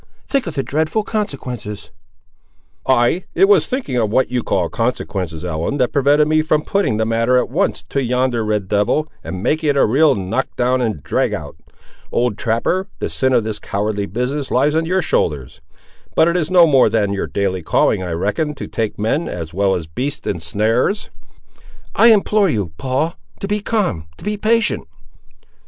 Think of the dreadful consequences!" "Ay, it was thinking of what you call consequences, Ellen, that prevented me from putting the matter, at once, to yonder red devil, and making it a real knock down and drag out! Old trapper, the sin of this cowardly business lies on your shoulders! But it is no more than your daily calling, I reckon, to take men, as well as beasts, in snares." "I implore you, Paul, to be calm—to be patient."